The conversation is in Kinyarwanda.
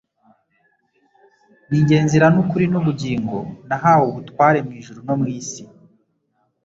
"Ninjye nzira n'ukuri n'ubugingo. Nahawe ubutware mu ijuru no mu isi."